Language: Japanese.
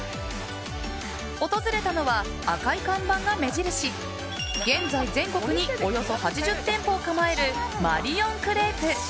訪れたのは、赤い看板が目印現在、全国におよそ８０店舗を構えるマリオンクレープ。